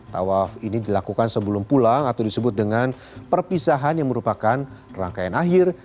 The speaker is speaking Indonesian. tawaf ini dilakukan sebelum pulang atau disebut dengan perpisahan yang merupakan rangkaian akhir